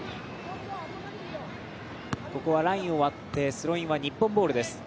ここはラインを割ってスローインは日本ボールです。